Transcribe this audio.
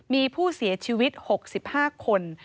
มีผู้เสียชีวิต๖๕คน